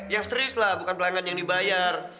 yang serius lah bukan pelanggan yang dibayar